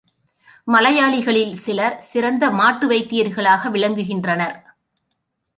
மலையாளிகளில் சிலர் சிறந்த மாட்டு வைத்தியர்களாக விளங்குகின்றனர்.